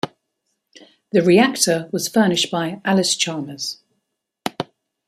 The reactor was furnished by Allis-Chalmers.